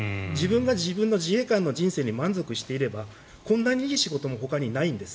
自分が自分の自衛官の仕事に満足していればこんなにいい仕事はほかにないんです。